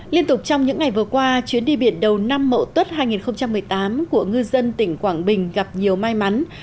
liên tục trong những ngày vừa qua chuyến đi biển đầu năm mậu tuất hai nghìn một mươi tám của ngư dân tỉnh quảng bình gặp nhiều may mắn